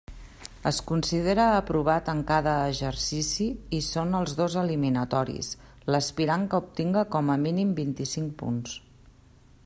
Es considera aprovat en cada exercici, i són els dos eliminatoris, l'aspirant que obtinga com a mínim vint-i-cinc punts.